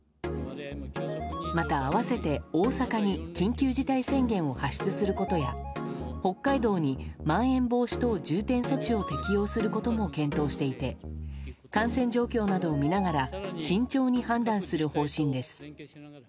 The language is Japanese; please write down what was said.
また、併せて大阪に緊急事態宣言を発出することや北海道にまん延防止等重点措置を適用することも検討していて感染状況などを見ながら慎重に判断する方針です。